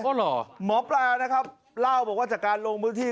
หมอปลานะครับเล่าบอกว่าจากการลงพื้นที่